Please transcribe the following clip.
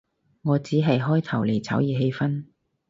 我只係開頭嚟炒熱氣氛